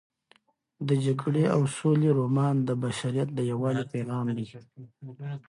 د جګړې او سولې رومان د بشریت د یووالي پیغام دی.